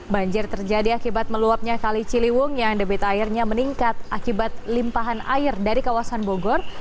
banjir terjadi akibat meluapnya kali ciliwung yang debit airnya meningkat akibat limpahan air dari kawasan bogor